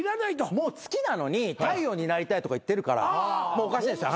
もう月なのに太陽になりたいとか言ってるからおかしいんですよ